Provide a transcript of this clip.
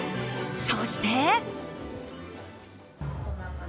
そして。